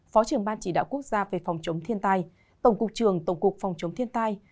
phó trưởng ban chỉ đạo quốc gia về phòng chống thiên tai tổng cục trường tổng cục phòng chống thiên tai